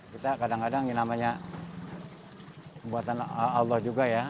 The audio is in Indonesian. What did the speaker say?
kita kadang kadang ini namanya pembuatan allah juga ya